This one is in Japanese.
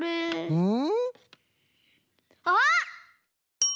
うん！